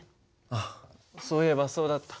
あっそういえばそうだった。